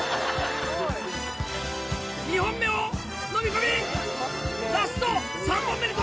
２本目をのみ込みラスト３本目に突入！